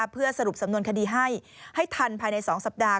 เพื่อสรุปสำนวนคดีให้ให้ทันภายใน๒สัปดาห